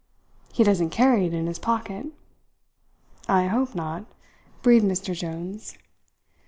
He doesn't carry it in his pocket." "I hope not," breathed Mr. Jones.